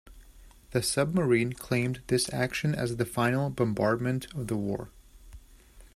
The submarine claimed this action as the final bombardment of the war.